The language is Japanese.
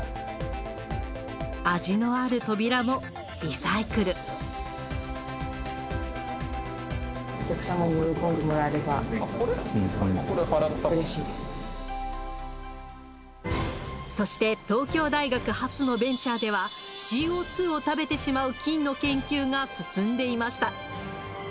味のある扉もリサイクルそして東京大学発のベンチャーではＣＯを食べてしまう菌の研究が進んでいました。